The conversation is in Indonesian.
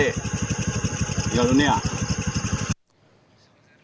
jika korban sudah ditemukan selesai